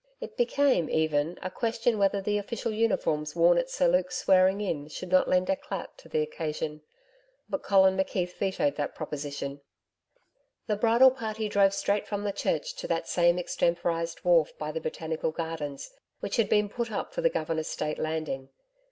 It became even a question whether the official uniforms worn at Sir Luke's 'Swearing In' should not lend eclat to the occasion. But Colin McKeith vetoed that proposition. The bridal party drove straight from the Church to that same extemporized wharf by the Botanical Gardens which had been put up for the Governor's State Landing.